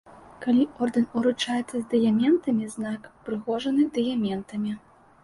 Калі ордэн уручаецца з дыяментамі, знак упрыгожаны дыяментамі.